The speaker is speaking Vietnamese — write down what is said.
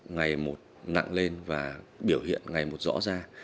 ngày một nặng lên và biểu hiện ngày một rõ ràng